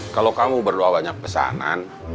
kalau kamu berdoa banyak pesanan